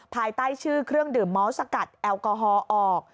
ภายใต้ชื่อเครื่องดื่มเมาส์สกัดแอลกอฮอล์ออก